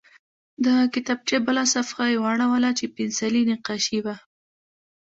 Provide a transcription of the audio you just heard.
د کتابچې بله صفحه یې واړوله چې پنسلي نقاشي وه